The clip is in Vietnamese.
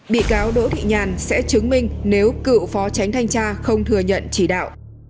bị cáo đỗ thị nhàn sẽ chứng minh nếu cựu phó tránh thanh tra không thừa nhận chỉ đạo